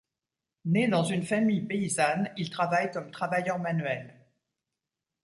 Né dans une famille paysanne, il travaille comme travailleur manuel.